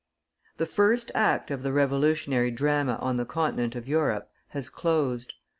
The first act of the revolutionary drama on the continent of Europe has closed.